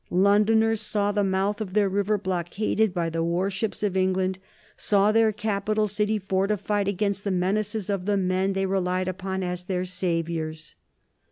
Londoners saw the mouth of their river blockaded by the war ships of England, saw their capital city fortified against the menaces of the men they relied upon as their saviors.